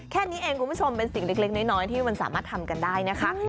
แค่นี้เองคุณผู้ชมเป็นสิ่งเล็กน้อยที่มันสามารถทำกันได้นะคะ